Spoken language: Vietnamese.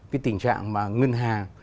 cái tình trạng mà ngân hàng